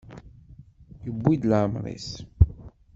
Yewwi leɛmer-is.